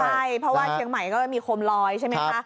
ใช่เพราะว่าเชียงใหม่ก็มีโคมลอยใช่ไหมคะ